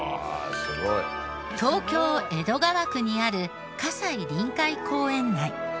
東京江戸川区にある西臨海公園内。